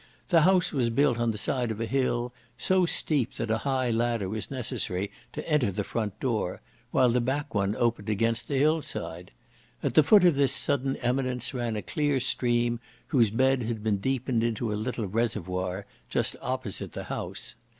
The house was built on the side of a hill, so steep that a high ladder was necessary to enter the front door, while the back one opened against the hill side; at the foot of this sudden eminence ran a clear stream, whose bed had been deepened into a little reservoir, just opposite the house.